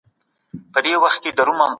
ژبه وده وکړه.